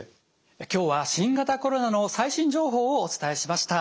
今日は新型コロナの最新情報をお伝えしました。